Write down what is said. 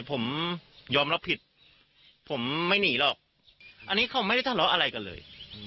ผมยอมรับผิดผมไม่หนีหรอกอันนี้เขาไม่ได้ทะเลาะอะไรกันเลย